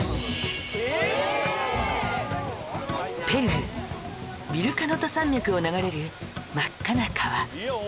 ペルービルカノタ山脈を流れる真っ赤な川